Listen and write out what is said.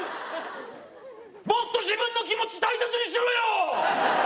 もっと自分の気持ち大切にしろよー！